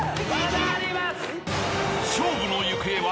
［勝負の行方は］